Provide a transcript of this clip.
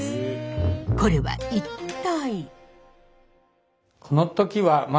これは一体？